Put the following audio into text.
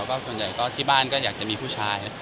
ก็ส่วนใหญ่ก็ที่บ้านก็อยากจะมีผู้ชาย